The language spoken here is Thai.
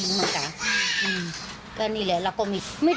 ร่างกายเค้าใหญ่ลำยำ